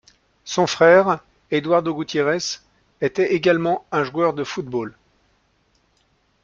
Son frère, Eduardo Gutiérrez, était également un joueur de football.